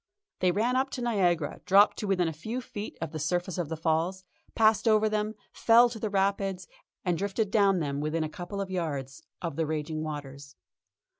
They ran up to Niagara, dropped to within a few feet of the surface of the Falls, passed over them, fell to the Rapids, and drifted down them within a couple of yards of the raging waters.